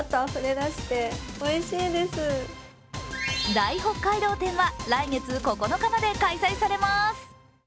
大北海道展は来月９日まで開催されます。